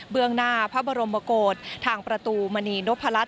เบื้องหน้าพระบรมโปรดทางประตูมณีนพลัด